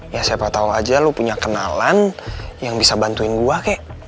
ya siapa tau aja lu punya kenalan yang bisa bantuin gue kek